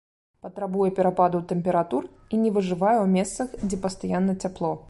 Патрабуе перападаў тэмператур і не выжывае ў месцах, дзе пастаянна цяпло.